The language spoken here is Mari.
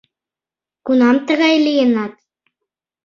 Кунам тыгай лийынат?